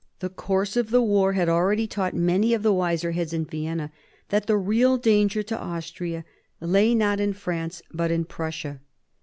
The course of the war had already taught many of the wiser heads in Vienna that the real danger to Austria lay, not in France, but in Prussia.